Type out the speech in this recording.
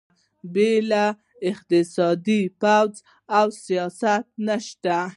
بې له اقتصاده پوځ او سیاست نشته.